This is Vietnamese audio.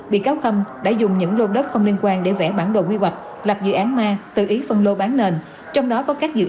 bị cáo khâm đã dùng những lô đất không liên quan để vẽ bản đồ quy hoạch